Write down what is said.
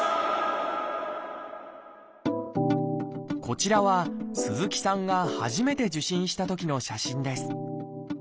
こちらは鈴木さんが初めて受診したときの写真です。